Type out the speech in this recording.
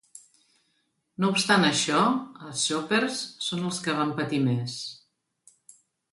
No obstant això. els Choppers són els que van patir més.